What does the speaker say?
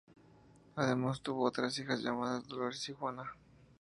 Además tuvo otras hijas llamadas Dolores y Juana.